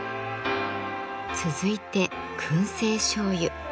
続いて燻製しょうゆ。